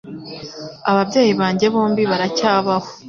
Ababyeyi banjye bombi baracyabaho.